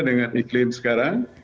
dengan iklim sekarang